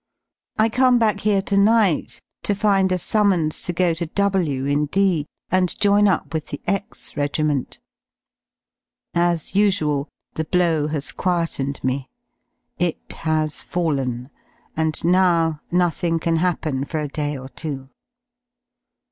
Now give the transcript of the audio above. I come back here to night to find a summons to go to W in D and join up with the X Regiment. As usual, the blow has quietened me. It has fallen, and now nothing can happen for a day or two.